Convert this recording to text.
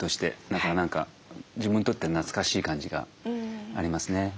だから何か自分にとっては懐かしい感じがありますね。